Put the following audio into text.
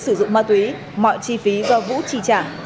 vũ sử dụng ma túy mọi chi phí do vũ trì trả